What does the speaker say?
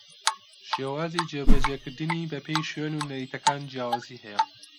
شێوازی جێبەجێکردنی بەپێی شوێن و نەریتەکان جیاوازی ھەیە